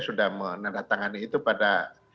sudah menandatangani itu pada